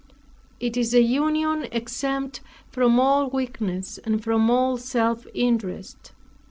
It is an union exempt from all weakness, and from all self interest.